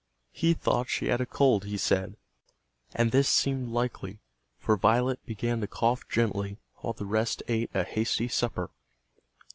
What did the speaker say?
He thought she had a cold, he said. And this seemed likely, for Violet began to cough gently while the rest ate a hasty supper.